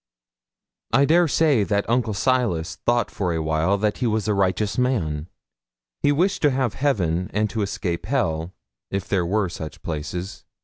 I dare say that Uncle Silas thought for a while that he was a righteous man. He wished to have heaven and to escape hell, if there were such places.